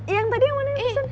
yang tadi mana yang pesen